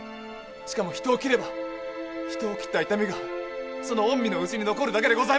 しかも人を斬れば人を斬った痛みがその御身の内に残るだけでございましょう！